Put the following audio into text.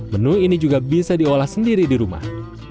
menu ini juga bisa diolah sendiri di rumah